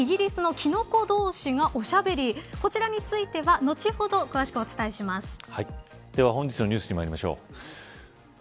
そして記事の６位のイギリスのキノコ同士がおしゃべりこちらについては後ほど詳しくお伝えします。